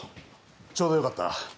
ちょうどよかった。